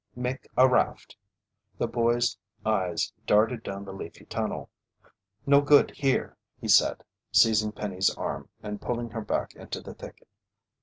"Make a raft." The boy's eyes darted down the leafy tunnel. "No good here," he said, seizing Penny's arm and pulling her back into the thicket.